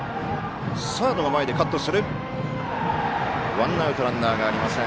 ワンアウトランナーがありません。